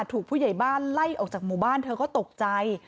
ผู้ใหญ่บ้านไล่ออกจากหมู่บ้านเธอก็ตกใจ